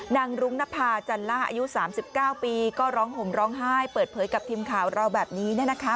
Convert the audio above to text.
รุ้งนภาจันล่าอายุ๓๙ปีก็ร้องห่มร้องไห้เปิดเผยกับทีมข่าวเราแบบนี้